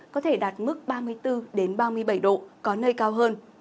có thể đạt mức ba mươi bốn ba mươi bảy độ có nơi cao hơn